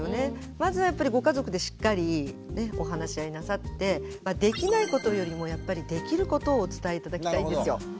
まずはやっぱりご家族でしっかりお話し合いなさってできないことよりもやっぱりできることをお伝え頂きたいんですよ。